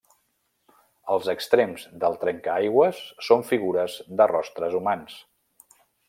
Els extrems del trencaaigües són figures de rostres humans.